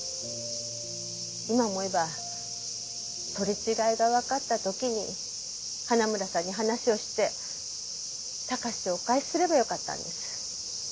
今思えば取り違えがわかった時に花村さんに話をして貴史をお返しすればよかったんです。